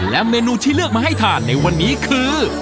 และเมนูที่เลือกมาให้ทานในวันนี้คือ